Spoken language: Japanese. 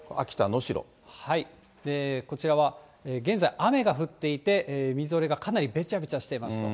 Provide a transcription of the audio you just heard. こちらは現在、雨が降っていて、みぞれがかなりべちゃべちゃしていますと。